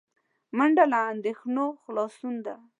منډه له اندېښنو خلاصون دی